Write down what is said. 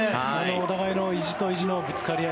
お互いの意地と意地のぶつかり合い